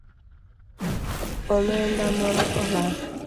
Omenda moro olal